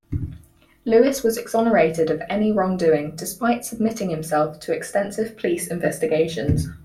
Lewis was exonerated of any wrongdoing despite submitting himself to extensive police investigations.